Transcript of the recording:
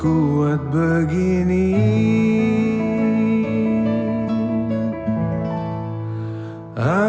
tapi kebahagiaannya lebih banyak